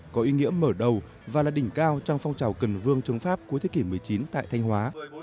có ý nghĩa mở đầu và là đỉnh cao trong phong trào cần vương chống pháp cuối thế kỷ một mươi chín tại thanh hóa